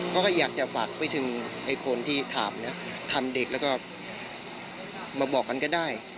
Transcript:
ก็อยากจะฝากไปถึงไอ้คนที่ถามนะทำเด็กแล้วก็มาบอกกันก็ได้